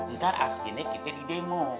ntar akhirnya kita di demo